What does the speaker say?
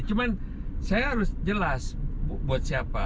cuman saya harus jelas buat siapa